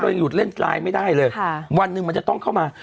ยังหลุดเล่นไลน์ไม่ได้เลยค่ะวันหนึ่งมันจะต้องเข้ามา